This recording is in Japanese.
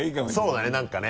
そうだね何かね。